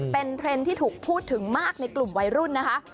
เป็นเทรนด์ที่ถูกพูดถึงมากในกลุ่มวัยรุ่นนะคะ